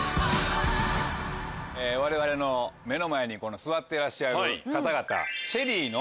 我々の目の前に座ってらっしゃる方々。